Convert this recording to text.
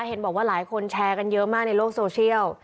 เห็นบอกว่าหลายคนแชร์กันเยอะมากในโลกโซเชียล